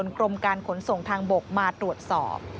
กรมการขนส่งทางบกมาตรวจสอบ